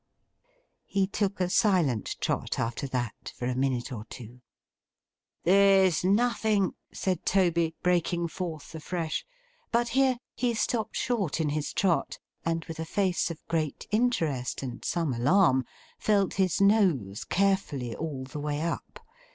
He took a silent trot, after that, for a minute or two. 'There's nothing,' said Toby, breaking forth afresh—but here he stopped short in his trot, and with a face of great interest and some alarm, felt his nose carefully all the way up.